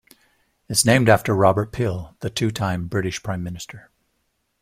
It is named after Robert Peel, the two-time British Prime Minister.